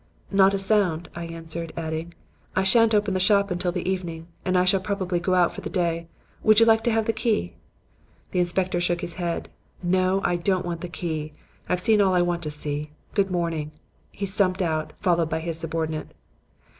"'Not a sound,' I answered, adding, 'I shan't open the shop until the evening, and I shall probably go out for the day. Would you like to have the key?' "The inspector shook his head. 'No, I don't want the key. I've seen all I want to see. Good morning,' and he stumped out, followed by his subordinate.